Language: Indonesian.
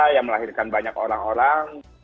yang melahirkan banyak orang orang